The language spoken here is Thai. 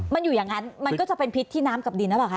มันอยู่อย่างนั้นมันก็จะเป็นพิษที่น้ำกับดินหรือเปล่าคะ